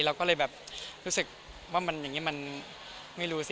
เราก็รู้สึกว่าอย่างงี้มันไม่รู้สิ